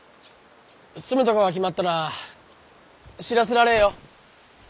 住むとこが決まったら知らせられえよ。